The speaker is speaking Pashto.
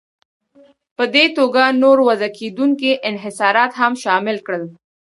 په دې توګه نور وضع کېدونکي انحصارات هم شامل کړل.